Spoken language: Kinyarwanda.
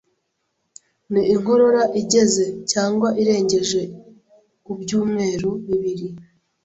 ni inkorora igeze cyangwa irengeje ubyumweru bibiri